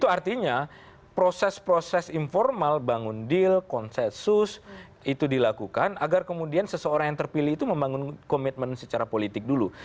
artinya proses proses informal bangun deal konsensus itu dilakukan agar kemudian seseorang yang terpilih itu membangun komitmen secara politik dulu